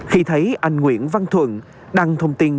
khi thấy anh nguyễn văn thuận đăng thông tin